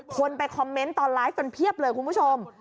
คนไปคอมเมนต์ตอนไลฟ์กันเพียบเลยคุณผู้ชม